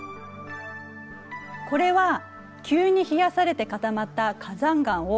これは急に冷やされて固まった火山岩を拡大したもの。